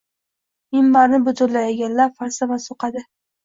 minbarni butunlay egallab, falsafa so‘qadi